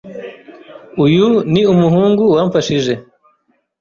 Uyu ni umuhungu wamfashije.